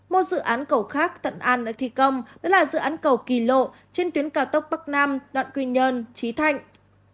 một dự án cầu khác tận an đã thi công đó là dự án cầu kỳ lộ trên tuyến cao tốc bắc nam đoạn quy nhơn trí thạnh